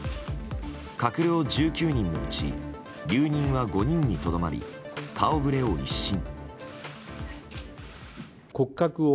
閣僚１９人のうち留任は５人にとどまり顔ぶれを一新。